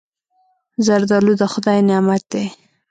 زردالو د خدای نعمت دی.